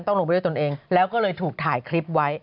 ลงไปด้วยตนเองแล้วก็เลยถูกถ่ายคลิปไว้